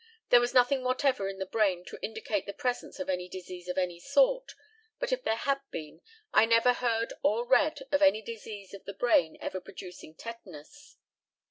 There was nothing whatever in the brain to indicate the presence of any disease of any sort; but if there had been, I never heard or read of any disease of the brain ever producing tetanus.